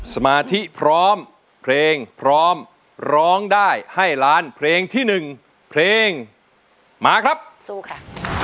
สมาธิพร้อมเพลงพร้อมร้องได้ให้ล้านเพลงที่หนึ่งเพลงมาครับสู้ค่ะ